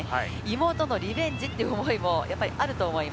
妹のリベンジという思いもやっぱりあると思います。